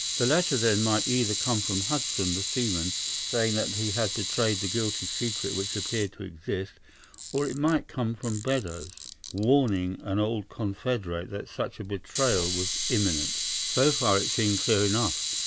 The letter, then, might either come from Hudson, the seaman, saying that he had betrayed the guilty secret which appeared to exist, or it might come from Beddoes, warning an old confederate that such a betrayal was imminent. So far it seemed clear enough.